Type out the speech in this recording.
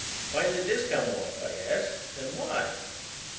"When did this come off?" I asked. "And why?"